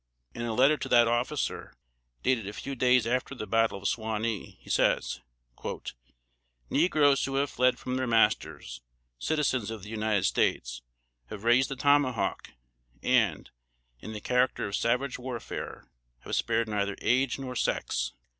In a letter to that officer, dated a few days after the battle of Suwanee, he says: "_Negroes who have fled from their masters, citizens of the United States, have raised the tomahawk, and, in the character of savage warfare, have spared neither age nor sex_.